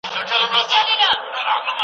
هغه په مونوګراف کي ډېرې سرچینې کارولې دي.